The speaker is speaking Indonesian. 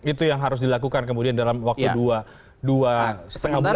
itu yang harus dilakukan kemudian dalam waktu dua setengah bulan